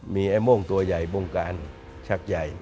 มีไอ้โม่งตัวใหญ่บ่งการชักใหญ่